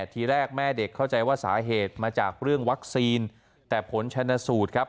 ทีแรกแม่เด็กเข้าใจว่าสาเหตุมาจากเรื่องวัคซีนแต่ผลชนสูตรครับ